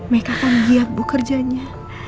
mereka akan giat ibu kerjanya